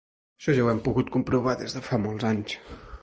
Això ja ho hem pogut comprovar des de fa molts anys.